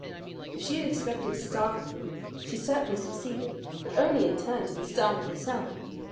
If she had expected to startle him, she certainly succeeded; but only in turn to be startled herself.